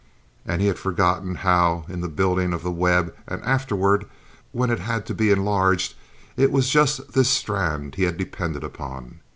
And he had forgotten how, in the building of the web and afterward when it had to be enlarged, it was just this strand he had depended upon.